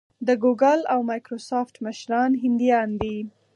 د ګوګل او مایکروسافټ مشران هندیان دي.